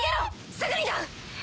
すぐにだ！